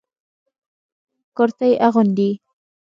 کرتي اغوندئ